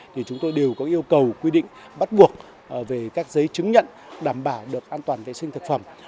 thì chúng tôi đều có yêu cầu quy định bắt buộc về các giấy chứng nhận đảm bảo được an toàn vệ sinh thực phẩm